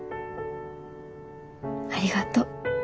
ありがとう。